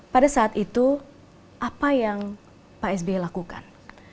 pada saat itu apa yang pak sby lakukan